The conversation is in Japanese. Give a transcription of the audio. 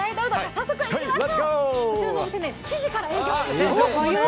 早速行きましょう。